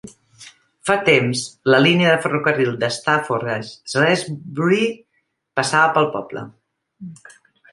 Fa temps, la línia de ferrocarril de Stafford a Shrewsbury passava pel poble.